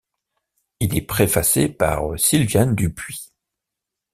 Il est préfacé par Sylviane Dupuis.